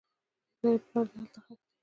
ويې ويل پلار دې هلته ښخ دى.